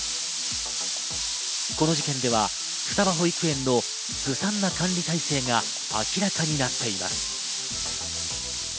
この事件では双葉保育園のずさんな管理体制が明らかになっています。